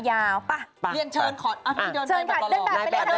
มากเพราะเราเคยเป็นกับเยอะ